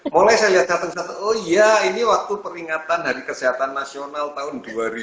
mulai saya lihat satu satu oh ya ini waktu peringatan dari kesehatan nasional tahun dua ribu tujuh belas